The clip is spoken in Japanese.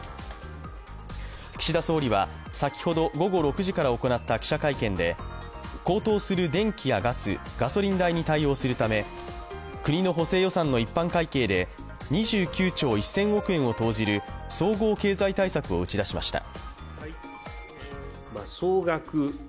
岸田総理は先ほど午後６時から行った記者会見で高騰する電気やガス、ガソリン代に対応するため、国の補正予算の一般会計で２９兆１０００億円を投じる総合経済対策を打ち出しました。